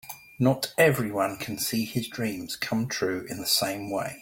Not everyone can see his dreams come true in the same way.